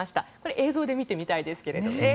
映像で見てみたいですけどね。